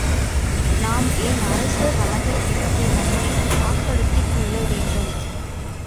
நாம் ஏன் அரச வணக்கத்திற்கு நம்மை ஆட்படுத்திக் கொள்ள வேண்டும்?